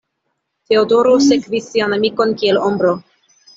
Teodoro sekvis sian amikon kiel ombro.